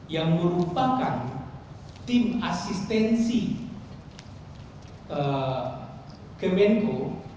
yang merupakan tim asistensi kemenko